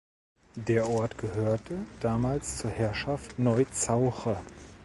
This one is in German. Der Ort gehörte damals zur Herrschaft Neu Zauche.